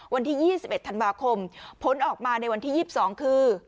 วันที่๒๑ธันวาคมผลออกมาในวันที่๒๒คือ